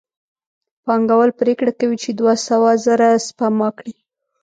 پانګوال پرېکړه کوي چې دوه سوه زره سپما کړي